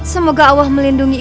semoga allah melindungi